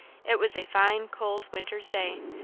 It was a fine, cold winter's day.